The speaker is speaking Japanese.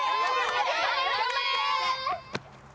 頑張れ！